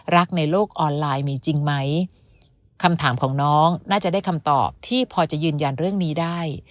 ในโลกออนไลน์มีจริงไหมคำถามของน้องน่าจะได้คำตอบที่พอจะยืนยันเรื่องนี้ได้